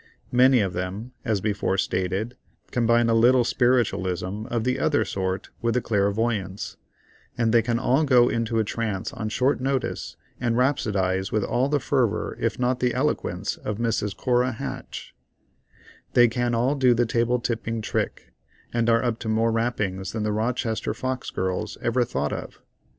Many of them, as before stated, combine a little spiritualism of the other sort with the clairvoyance, and they can all go into a trance on short notice and rhapsodize with all the fervor if not the eloquence of Mrs. Cora Hatch; they can all do the table tipping trick, and are up to more rappings than the Rochester Fox girls ever thought of.